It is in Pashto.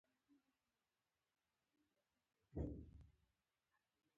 افتونه ورسره زیات شول.